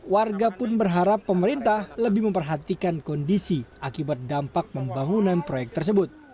warga pun berharap pemerintah lebih memperhatikan kondisi akibat dampak pembangunan proyek tersebut